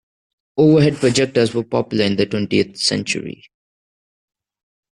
Overhead projectors were popular in the twentieth century.